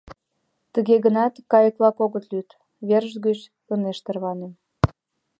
Туге гынат, кайык-влак огыт лӱд, верышт гыч ынешт тарване.